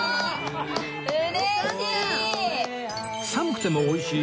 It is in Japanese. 寒くてもおいしい！